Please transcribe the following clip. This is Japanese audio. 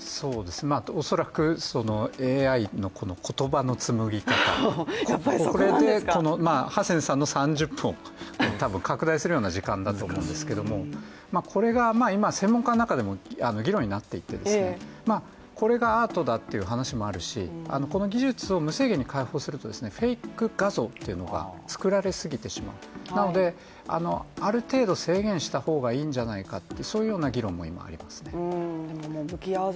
恐らくＡＩの言葉のつむぎ方、これで、ハセンさんの３０分を拡大するような時間だと思うんですけれどもこれが今、専門家の中でも議論になっていて、これがアートだという話もあるしこの技術を無制限に開放するとフェイク画像っていうのが作られすぎてしまうなので、ある程度制限した方がいいんじゃないかという議論も今ありますね。